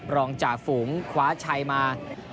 รองจากฝูงควาชัยมา